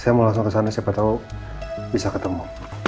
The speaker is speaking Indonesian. saya mau langsung ke sana siapa tahu bisa ketemu